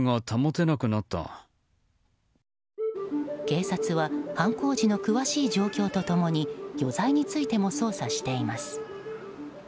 警察は犯行時の詳しい状況と共に余罪についても捜査しています。